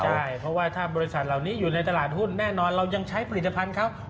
ใช่เพราะว่าถ้าบริษัทเหล่านี้อยู่ในตลาดหุ้นแน่นอนเรายังใช้ผลิตภัณฑ์เขา